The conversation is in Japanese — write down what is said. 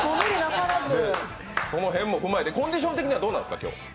その辺も踏まえて、コンディション的にはどうなんですか？